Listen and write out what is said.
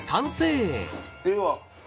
では。